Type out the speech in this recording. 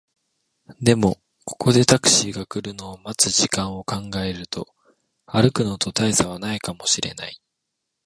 でも、ここでタクシーが来るのを待つ時間を考えると、歩くのと大差はないかもしれない